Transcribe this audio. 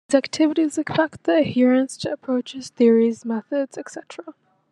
These activities affect the adherence to approaches, theories, methods, etc.